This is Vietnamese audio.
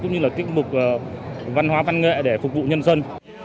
cũng như là tiết mục văn hóa văn nghệ để phục vụ nhân dân